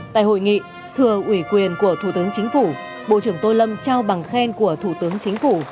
tại hội nghị thừa ủy quyền của thủ tướng chính phủ bộ trưởng tô lâm trao bằng khen của thủ tướng chính phủ